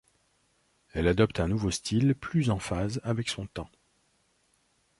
Elle adopte un nouveau style plus en phase avec son temps.